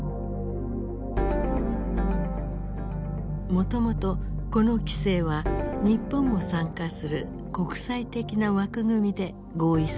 もともとこの規制は日本も参加する国際的な枠組みで合意されたものだ。